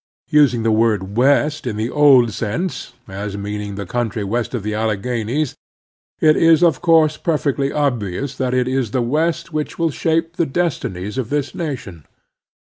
Using the word West '* in the old sense, as meaning the country west of the Alleghanies, it is of course per fectly obviotis that it is the West which will shape the destinies of this nation.